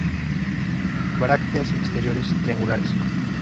Brácteas exteriores triangulares.